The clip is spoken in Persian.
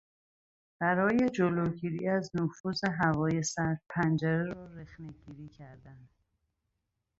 برای جلوگیری از نفوذ هوای سرد پنجره را رخنهگیری کردن